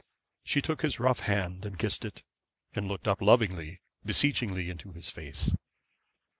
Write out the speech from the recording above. She took his rough hand and kissed it, and looked up lovingly, beseechingly into his face.